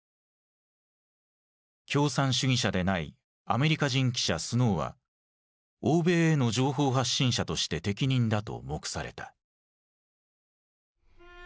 共産主義者でないアメリカ人記者スノーは欧米への情報発信者として適任だと目された。